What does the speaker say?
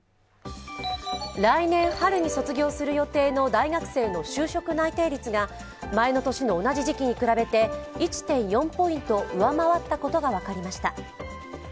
来年春に卒業する予定の大学生の内定率が前の年の同じ時期に比べて１．４ポイント上回ったことが分かりました。